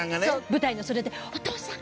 舞台の袖で「お父さん！」。